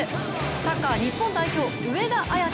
サッカー日本代表・上田綺世。